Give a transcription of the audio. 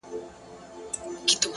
عاجز انسان ډېر محبوب وي!